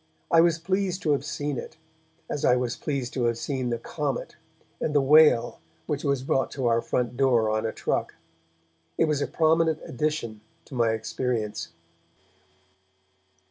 I was pleased to have seen it, as I was pleased to have seen the comet, and the whale which was brought to our front door on a truck. It was a prominent addition to my experience.